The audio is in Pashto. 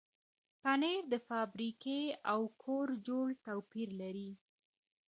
پنېر د فابریکې او کور جوړ توپیر لري.